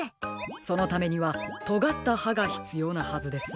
そのためにはとがったはがひつようなはずです。